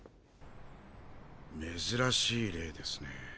珍しい例ですね。